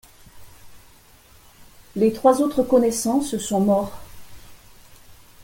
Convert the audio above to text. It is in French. Les trois autres connaissances sont morts.